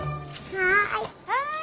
はい。